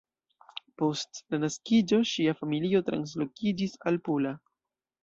Post la naskiĝo ŝia familio translokiĝis al Pula.